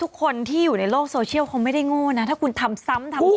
โปะเพราะอะไรรู้ไหมคนสั่งของคนสั่งของแม่อะไรนะเธอใยปุ๊กไม่เรียกแม่แล้วกันใยปุ๊กเนี่ย